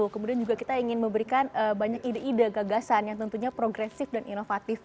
kemudian juga kita ingin memberikan banyak ide ide gagasan yang tentunya progresif dan inovatif